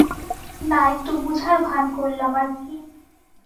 না একটু বুঝার ভান করলাম আরকি।